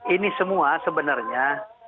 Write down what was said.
ini semua sebenarnya